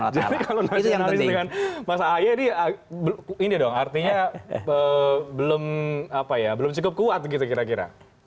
jadi kalau nasionalis dengan mas a'yed ini artinya belum cukup kuat gitu kira kira